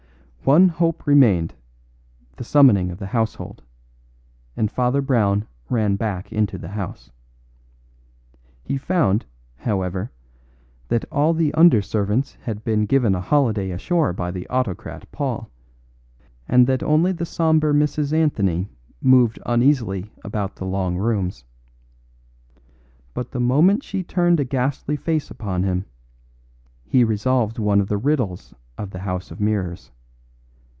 One hope remained, the summoning of the household; and Father Brown ran back into the house. He found, however, that all the under servants had been given a holiday ashore by the autocrat Paul, and that only the sombre Mrs. Anthony moved uneasily about the long rooms. But the moment she turned a ghastly face upon him, he resolved one of the riddles of the house of mirrors.